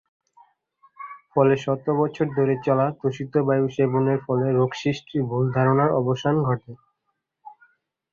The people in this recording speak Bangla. ফলে শত বছর ধরে চলা দূষিত বায়ু সেবনের ফলে রোগ সৃষ্টির ভুল ধারণার অবসান ঘটে।